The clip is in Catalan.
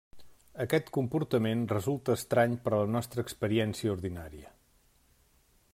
Aquest comportament resulta estrany per a la nostra experiència ordinària.